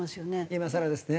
今更ですね。